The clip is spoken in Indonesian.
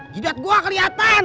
judad gua keliatan